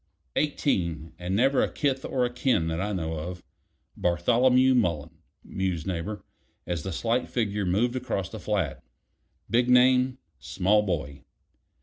"Eighteen; and never a kith or a kin that I know of. Bartholomew Mullen," mused Neighbor, as the slight figure moved across the flat, "big name small boy.